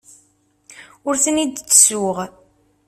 Ur ten-id-ttessuɣ.